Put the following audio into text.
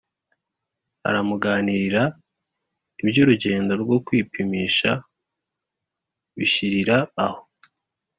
aramuganirira, iby’urugendo rwo kwipimisha bishirira aho.